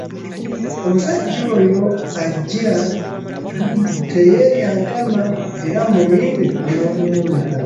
Omusajja oyo ajja teyeerya ntama era mulinde onoomuwulira.